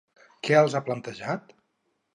Què els ha plantejat?